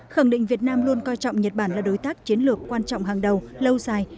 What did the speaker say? khẳng định việt nam luôn coi trọng nhật bản là đối tác chiến lược quan trọng hàng đầu lâu dài